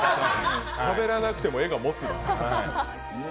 しゃべらなくても画がもつな。